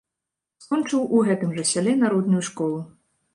Скончыў у гэтым жа сяле народную школу.